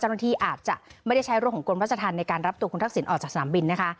เจ้าหน้าที่อาจจะไม่ได้ใช้โรคของกลพัฒนธรรมในการรับตัวคุณทักศิลป์ออกจากสนามบินนะคะ